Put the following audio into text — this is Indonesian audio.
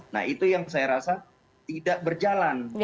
nah itu yang saya rasa tidak berjalan